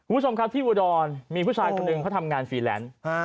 คุณผู้ชมครับที่อุดรมีผู้ชายคนหนึ่งเขาทำงานฟรีแลนซ์